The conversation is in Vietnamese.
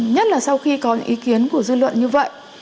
nhất là sau khi có những ý kiến của dư luận như vậy